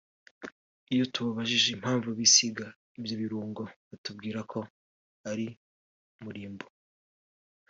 Iyo tubabajije impamvu bisiga ibyo birungo batubwira ko ari umurimbo